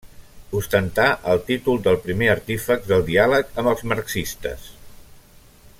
Ostentà el títol del primer artífex del diàleg amb els marxistes.